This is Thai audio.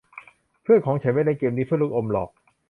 เพื่อนของฉันไม่เล่นเกมนี้เพื่อลูกอมหรอก